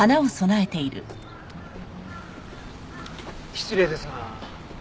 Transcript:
失礼ですが。